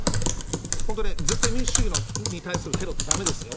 本当、絶対民主主義に対するテロってだめですよ。